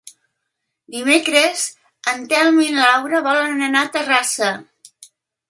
Dimecres en Telm i na Laura volen anar a Terrassa.